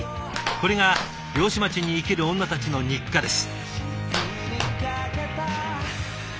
これが漁師町に生きる女たちの日課です。